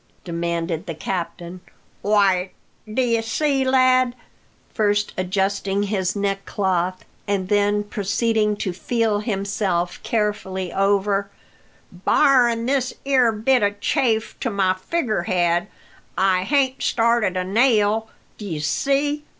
demanded the captain. "Why, dye see, lad," first adjusting his neckcloth, and then proceeding to feel himself carefully over, "barrin' this 'ere bit of a chafe to my figgerhead, I hain't started a nail, d'ye see.